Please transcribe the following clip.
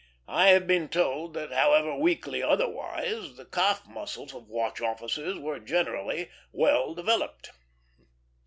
I have been told that, however weakly otherwise, the calf muscles of watch officers were generally well developed.